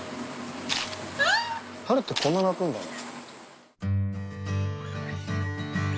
猿ってこんな鳴くんだね。